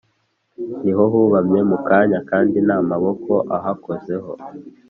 Ni ho hubamye mu kanya, Kandi nta maboko ahakozeho.